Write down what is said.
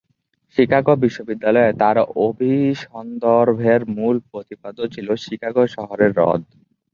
Chicago বিশ্ববিদ্যালয়ে তাঁর অভিসন্দর্ভের মূল প্রতিপাদ্য ছিল "শিকাগো শহরের হ্রদ।"